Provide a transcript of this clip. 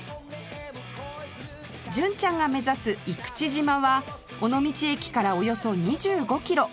純ちゃんが目指す生口島は尾道駅からおよそ２５キロ